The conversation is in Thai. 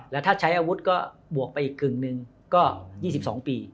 และอาวุธก็บวกไปอีกครึ่งนึงก็๒๒ปี